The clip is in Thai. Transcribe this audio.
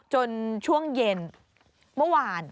ช่วงเย็นเมื่อวาน